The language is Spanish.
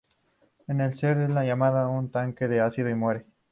El ser cae en llamas en un tanque de ácido y muere.